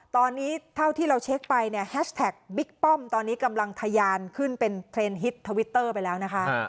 ตอนนี้เท่าที่เราเช็คไปเนี่ยแฮชแท็กบิ๊กป้อมตอนนี้กำลังทะยานขึ้นเป็นเทรนด์ฮิตทวิตเตอร์ไปแล้วนะคะ